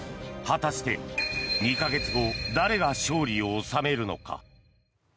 果たして２か月後誰が勝利を収めるのか。